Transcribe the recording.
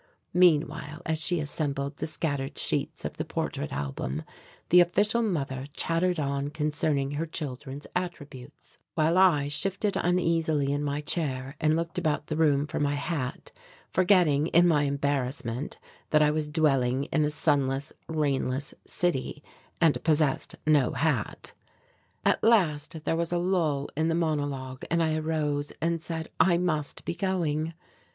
Meanwhile, as she reassembled the scattered sheets of the portrait album, the official mother chattered on concerning her children's attributes, while I shifted uneasily in my chair and looked about the room for my hat forgetting in my embarrassment that I was dwelling in a sunless, rainless city and possessed no hat. At last there was a lull in the monologue and I arose and said I must be going.